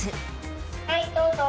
「はいどうぞ」